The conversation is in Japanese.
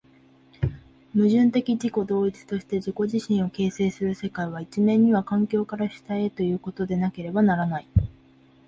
矛盾的自己同一として自己自身を形成する世界は、一面には環境から主体へということでなければならない。